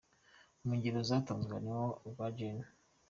Mu ngero zatanzwe harimo urwa Gen.